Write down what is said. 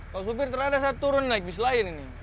kalo supir terada saya turun naik bis lain ini